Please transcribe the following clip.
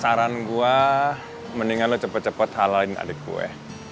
saran gua mendingan lu cepet cepet halalin adik gue